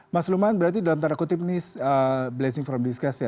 mas luman berarti dalam tanda kutip ini blazing from disgust ya